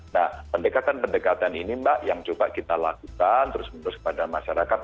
nah pendekatan pendekatan ini mbak yang coba kita lakukan terus menerus kepada masyarakat